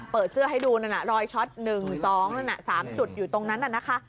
เปิดเสื้อให้ดูรอยช็อต๑๒๓จุดอยู่ตรงนั้น